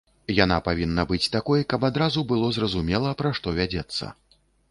Яна павінна быць такой, каб адразу было зразумела, пра што вядзецца.